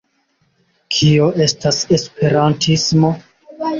Kio estas esperantismo?